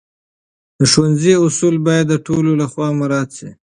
د ښوونځي اصول باید د ټولو لخوا مراعت سي.